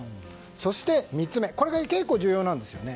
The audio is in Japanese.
そして、３つ目これが結構重要なんですね。